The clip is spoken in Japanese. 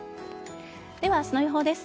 では、明日の予報です。